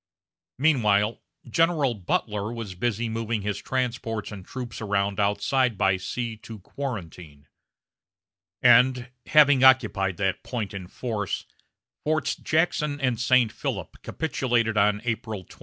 Meanwhile, General Butler was busy moving his transports and troops around outside by sea to Quarantine; and, having occupied that point in force, Forts Jackson and St. Philip capitulated on April 28.